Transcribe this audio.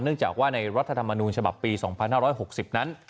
จากว่าในรัฐธรรมนูญฉบับปี๒๕๖๐นั้น